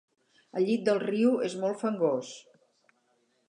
El llit del riu és molt fangós.